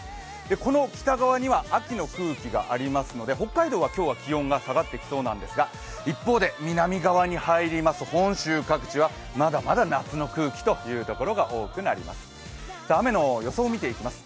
この北側には秋の空気がありますので北海道は今日は気温が下がってきそうですが一方で南側に入りますと、本州各地はまだまだ夏の空気というところが多くなります、雨の予想を見ていきます。